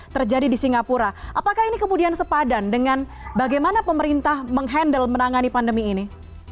terjadi di singapura apakah ini kemudian sepadan dengan bagaimana pemerintah menghandle menangani pandemi ini